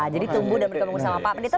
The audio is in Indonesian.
jadi tumbuh dan berkomunikasi sama pak pendeta